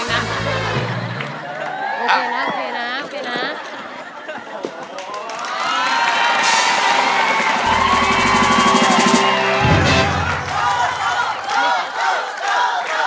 โอเคนะโอเคนะโอเคนะ